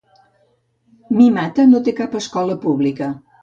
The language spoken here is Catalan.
Mimata no té cap escola pública.